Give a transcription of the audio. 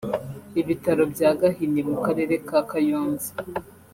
ibitaro bya Gahini mu Karere ka Kayonza